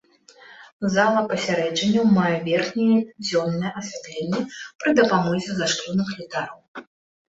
Зала пасяджэнняў мае верхняе дзённае асвятленне пры дапамозе зашклёных ліхтароў.